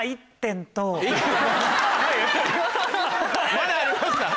まだありますか。